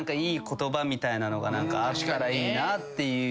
言葉みたいなのが何かあったらいいなっていう。